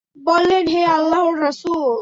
বললেন, হে আল্লাহর রাসূল!